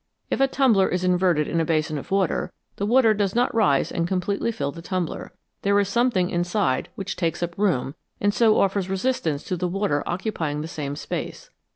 If a tumbler is inverted in a basin of water, the water does not rise and completely fill the tumbler. There is something inside which takes up room and so offers resistance to the water occupying the same space.